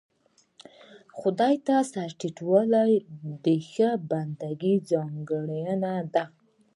خدای ته سر ټيټول د ښه بنده ځانګړنه ده.